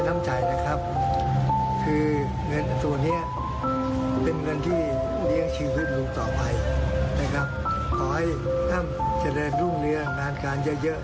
อ้ำแขนเรนรุ่งเรืองานการเยอะ